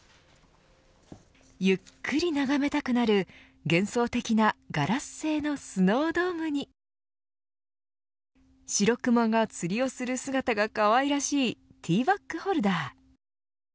ゆっくり眺めたくなる幻想的なガラス製のスノードームにしろくまが釣りをする姿がかわいらしいティーバックホルダー。